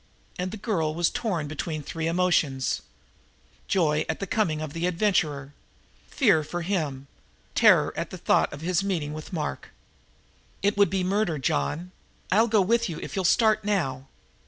And the girl was torn between three emotions: Joy at the coming of the adventurer, fear for him, terror at the thought of his meeting with Mark. "It would be murder, John! I'll go with you if you'll start now!"